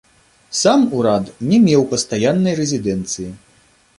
Сам ўрад не меў пастаяннай рэзідэнцыі.